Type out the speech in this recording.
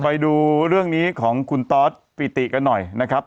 ไปดูเรื่องนี้ของคุณตอสปิติกันหน่อยนะครับ